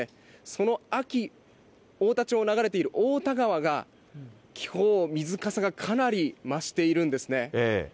その安芸太田町を流れている太田川がきょう、水かさがかなり増してるんですね。